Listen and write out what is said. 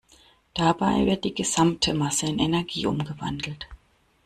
Dabei wird die gesamte Masse in Energie umgewandelt.